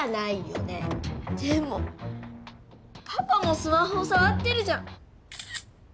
でもパパもスマホ触ってるじゃん。